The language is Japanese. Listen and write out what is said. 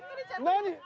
何？